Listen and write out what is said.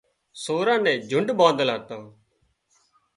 سوران نين جنڍ ٻانڌل هتان